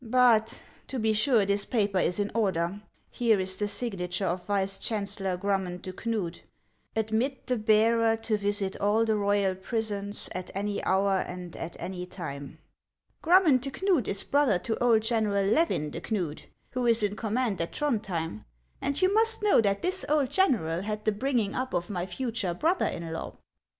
" But, to be sure, this paper is in order ; here is the signature of Vice Chancellor Grummond de Knud :' Admit the bearer to visit all the royal prisons at any hour and at any time.' Grummond de Kuud is brother to old General Levin de Knud, who is in command at Throndhjem, and you must know that this old general had the bringing up of my future brother in law."